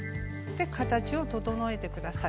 形を整えて下さい。